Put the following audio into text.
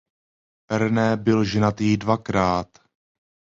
René byl ženatý dvakrát.